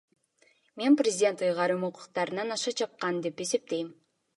Мен президент ыйгарым укуктарынан аша чапкан деп эсептейм.